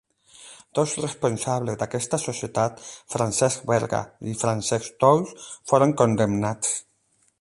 Dos responsables d'aquesta societat, Francesc Berga i Francesc Tous, foren condemnats.